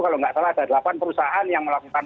kalau nggak salah ada delapan perusahaan yang melakukan